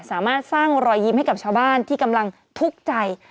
สามารถสร้างรอยยิ้มให้กับชาวบ้านที่กำลังทุกข์ใจ